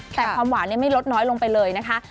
แต่ความหวานไม่ลดน้อยลงไปเลยนะคะ